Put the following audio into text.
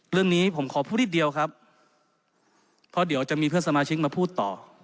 เรื่องนี้ผมขอพูดนิดเดียวครับเพราะเดี๋ยวจะมีเพื่อนสมาชิกมาพูดต่อ